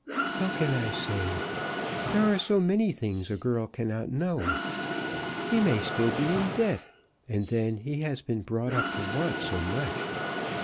"How can I say? There are so many things a girl cannot know. He may still be in debt, and then he has been brought up to want so much.